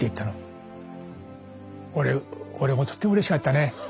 俺もとってもうれしかったね。